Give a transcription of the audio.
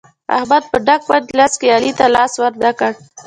احمد په ډک مجلس کې علي ته لاس ور نه کړ.